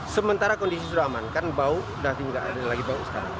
sementara kondisi sudah aman karena bau sudah tidak ada lagi bau sekarang